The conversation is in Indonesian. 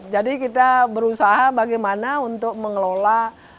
jadi kita berusaha bagaimana untuk mengelola